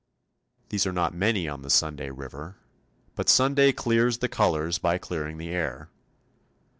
These are not many on the Sunday river, but Sunday clears the colours by clearing the air.